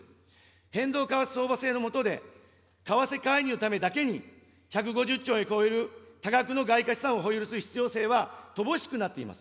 変動為替相場制の下で、為替介入のためだけに、１５０兆円を超える多額の外貨資産を保有する必要性は乏しくなっています。